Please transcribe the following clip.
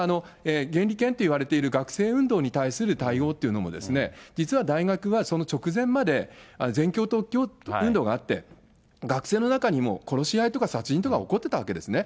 あるいは原理研っていわれてる学生運動に対する対応というのもですね、実は大学はその直前まで全共闘運動があって、学生の中にも殺し合いとか殺人とか、起こってたわけですね。